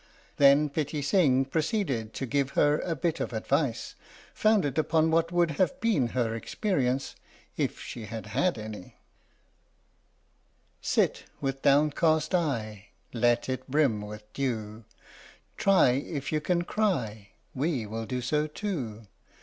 Then Pitti Sing proceeded to give her a bit of 75 THE STORY OF THE MIKADO advice, founded upon what would have been her experience if she had had any: Sit with downcast eye, Let it brim with dew, Try if you can cry We will do so too.